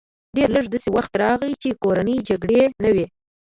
ډېر لږ داسې وخت راغی چې کورنۍ جګړې نه وې